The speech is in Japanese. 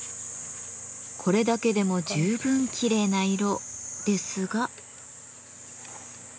これだけでも十分きれいな色ですが。